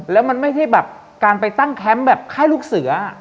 แล้วมันไม่ใช่การไปตั้งแคมป์ข้ายลูกเสือ